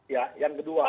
ya yang kedua ya